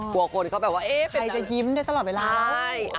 กลัวคนก็แบบว่าเอ๊ะใครจะยิ้มได้ตลอดเวลา